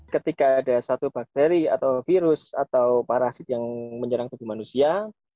ketika ada satu bakteri atau virus atau parasit yang menyerang bagi manusia